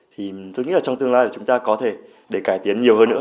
thì tôi nghĩ là trong tương lai là chúng ta có thể để cải tiến nhiều hơn nữa